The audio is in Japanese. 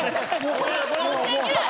申し訳ない！